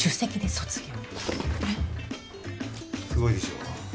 すごいでしょう。